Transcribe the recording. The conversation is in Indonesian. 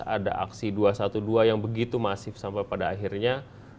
ada aksi dua ratus dua belas yang begitu masif sampai pada akhirnya